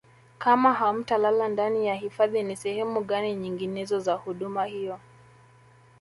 kama hamtalala ndani ya hifadhi ni sehemu gani nyinginezo za huduma hiyo